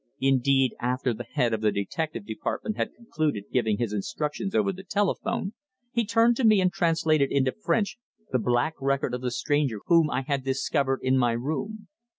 Indeed, after the head of the detective department had concluded giving his instructions over the telephone, he turned to me and translated into French the black record of the stranger whom I had discovered in my room.